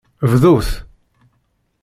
Bdut!